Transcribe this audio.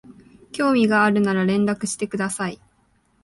興味があるなら連絡してください